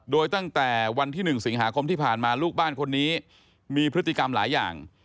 โดยตั้งแต่วันที่๑สิงหาคมที่ผ่านมาลูกบ้านคนนี้มีพฤติกรรมหลายอย่าง